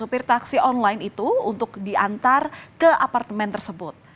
supir taksi online itu untuk diantar ke apartemen tersebut